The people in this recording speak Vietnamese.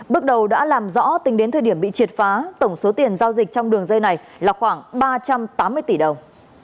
bước đầu đã làm rõ tính đến thời điểm bị triệt phá tổng số tiền giao dịch trong đường dây này là khoảng ba trăm tám mươi tỷ đồng